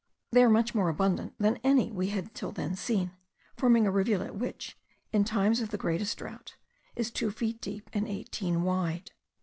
They are much more abundant than any we had till then seen, forming a rivulet which, in times of the greatest drought, is two feet deep and eighteen wide.